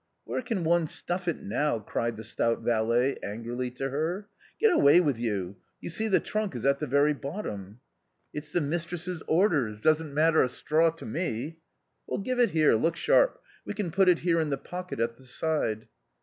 " Where can one stuff it now ?" cried the stout valet angrily to her. " Get away with you, you see the trunk is at the very bottom." " It's the mistress's orders ; doesn't matter a straw to me !"" Well, give it here, look sharp ; we can put it here in the pocket at the side."